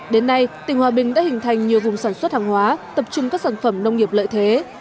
đến nay tỉnh hòa bình đã hình thành nhiều vùng sản xuất hàng hóa tập trung các sản phẩm nông nghiệp lợi thế